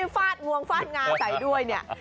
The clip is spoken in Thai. ฟาดงวงฟาดงาใส่ด้วย